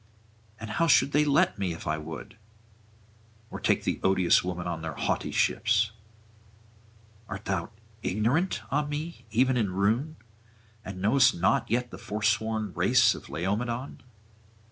And how should they let me, if I would? or take the odious woman on their haughty ships? art thou ignorant, ah me, even in ruin, and knowest not yet the forsworn race of Laomedon?